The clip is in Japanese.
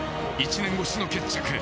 １年越しの決着。